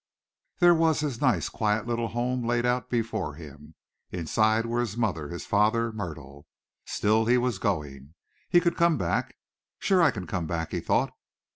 There was his nice, quiet little home laid out before him. Inside were his mother, his father, Myrtle. Still he was going. He could come back. "Sure I can come back," he thought.